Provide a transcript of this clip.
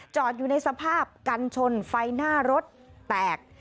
อยู่ในสภาพกันชนไฟหน้ารถแตก